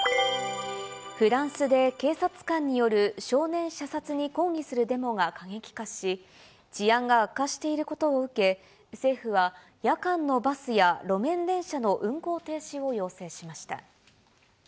フランスで警察官による少年射殺に抗議するデモが過激化し、治安が悪化していることを受け、政府は夜間のバスや路面電車の運行停止を要請しました。